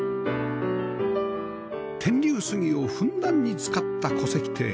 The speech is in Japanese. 天竜杉をふんだんに使った小関邸